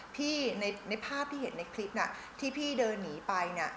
ในภาพที่เห็นในคลิปน่ะที่พี่เดินหนีไปเนี่ย